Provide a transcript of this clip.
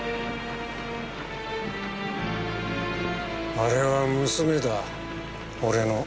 あれは娘だ俺の。